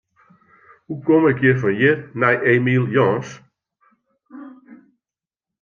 Hoe kom ik fan hjir nei Emiel Jans?